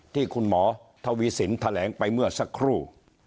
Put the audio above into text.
ที่คุณหมอทวีสินแถลงไปเมื่อสักครู่